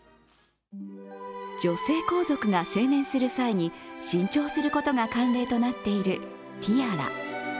女性皇族が成年する際に新調することが慣例となっているティアラ。